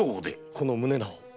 この宗直。